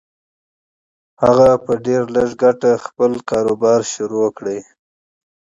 هغه په ډېر لږ عايد خپل کاروبار پيل کړ.